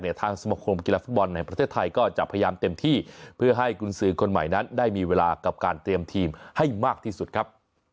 ทางสมคมกีฬาฟุตบอลในประเทศไทยก็จะพยายามเต็มที่เพื่อให้กุญสือคนใหม่นั้นได้มีเวลากับการเตรียมทีมให้มากที่สุดครับ